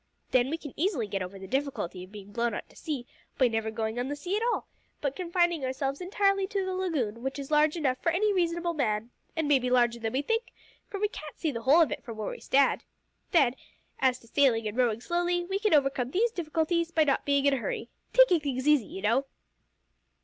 Then we can easily get over the difficulty of being blown out to sea, by never going on the sea at all, but confining ourselves entirely to the lagoon, which is large enough for any reasonable man, and may be larger than we think, for we can't see the whole of it from where we stand. Then, as to sailing and rowing slowly, we can overcome these difficulties by not being in a hurry, taking things easy, you know."